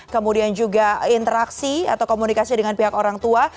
kemudian juga interaksi atau komunikasi dengan pihak orang tua